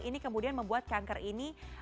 ini kemudian membuat kanker ini